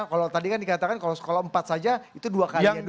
kalau tadi kan dikatakan kalau empat saja itu dua kali yang jelas